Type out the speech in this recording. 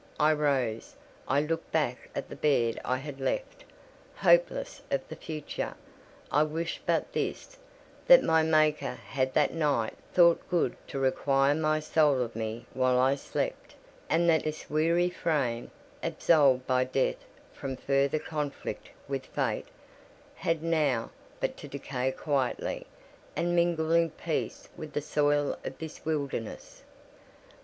I rose; I looked back at the bed I had left. Hopeless of the future, I wished but this—that my Maker had that night thought good to require my soul of me while I slept; and that this weary frame, absolved by death from further conflict with fate, had now but to decay quietly, and mingle in peace with the soil of this wilderness.